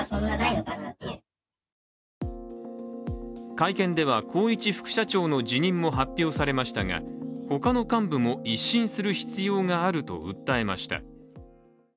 会見では宏一副社長の辞任も発表されましたが他の幹部も一新する必要があると訴えました。